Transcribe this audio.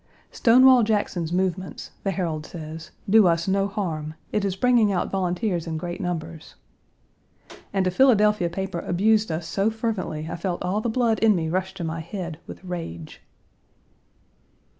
"Stonewall Jackson's movements," the Herald says, "do us no harm; it is bringing out volunteers in great numbers." And a Philadelphia paper abused us so fervently I felt all the blood in me rush to my head with rage.